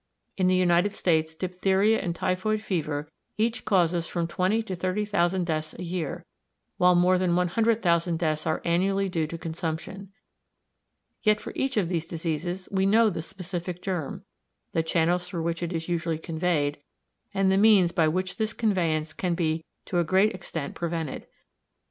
In the United States diphtheria and typhoid fever each causes from twenty to thirty thousand deaths a year, while more than one hundred thousand deaths are annually due to consumption. Yet for each of these diseases we know the specific germ, the channels through which it is usually conveyed, and the means by which this conveyance can be to a great extent prevented.